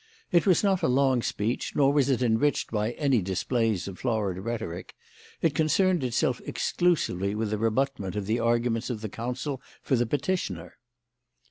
It was not a long speech, nor was it enriched by any displays of florid rhetoric; it concerned itself exclusively with a rebutment of the arguments of the counsel for the petitioner.